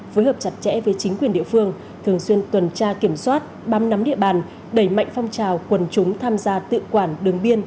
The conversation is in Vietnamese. phối hợp chặt chẽ với chính quyền địa phương thường xuyên tuần tra kiểm soát bám nắm địa bàn đẩy mạnh phong trào quần chúng tham gia tự quản đường biên